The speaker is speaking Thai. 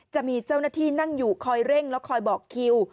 จะมีเจ้าหน้าที่นั่งอยู่คอยเร่งแล้วคอยบอกคิว